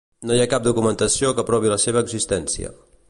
No hi ha cap documentació que provi la seva existència.